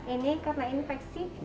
ini karena infeksi